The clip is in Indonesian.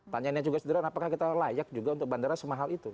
pertanyaannya juga sederhana apakah kita layak juga untuk bandara semahal itu